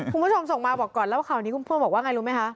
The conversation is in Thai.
คุณผู้ชมส่งมาบอกก่อนแล้วข่าวนี้คุณพ่อบอกว่าไงรู้ไหมคะ